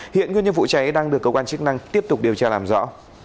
hiện nguyên nhân vụ cháy đang được cơ quan chức năng tiếp tục điều tra làm rõ